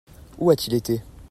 Où a-t-il été ?